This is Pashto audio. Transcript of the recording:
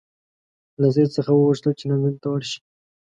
له سید څخه وغوښتل چې لندن ته ورشي.